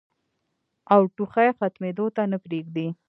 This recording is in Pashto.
او ټوخی ختمېدو ته نۀ پرېږدي